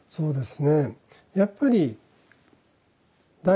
そうですね。